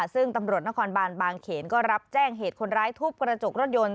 ซึ่งตำรวจนครบานบางเขนก็รับแจ้งเหตุคนร้ายทุบกระจกรถยนต์